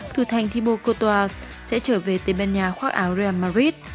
thủ thành thibaut cottois sẽ trở về tây ban nha khoác áo real madrid